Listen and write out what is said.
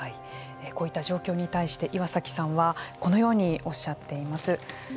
こういった状況に対して岩崎さんはこのようにおっしゃっています。